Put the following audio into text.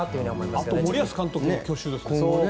あと森保監督の去就ですね。